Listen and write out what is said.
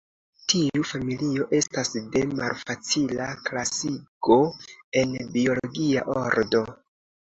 Tiu familio estas de malfacila klasigo en biologia ordo.